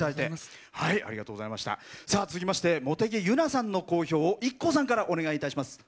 続きまして茂木結菜さんの講評をＩＫＫＯさんからお願いいたします。